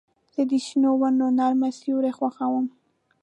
زه د شنو ونو نرمه سیوري خوښوم.